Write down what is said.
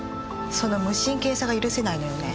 その無神経さが許せないのよね。